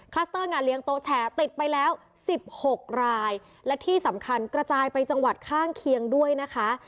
สเตอร์งานเลี้ยงโต๊ะแชร์ติดไปแล้วสิบหกรายและที่สำคัญกระจายไปจังหวัดข้างเคียงด้วยนะคะ